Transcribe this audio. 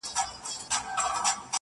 ولولئ نر او ښځي ټول د کتابونو کیسې,